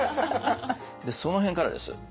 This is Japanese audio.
その辺からです。